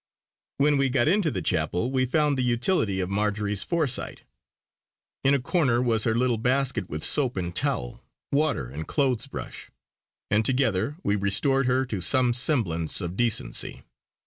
When we got into the chapel we found the utility of Marjory's foresight. In a corner was her little basket with soap and towel, water and clothes brush; and together we restored her to some semblance of decency.